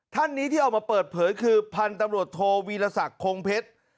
ท่านนี้ที่เอามาเปิดเผยคือพันธุ์ตำรวจโทวีรศักดิ์คงเพชร